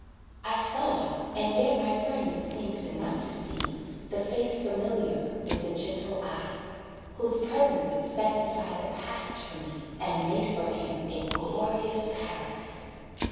I saw, and yet my friend seemed not to see The face familiar, with the gentle eyes, Whose presence sanctified the past for me, And made for him a glorious paradise.